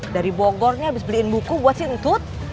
dari bogor nih abis beliin buku buat si entut